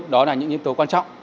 đó là những nhân tố quan trọng